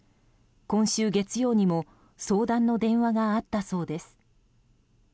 今週月曜にも相談の電話があったそうです。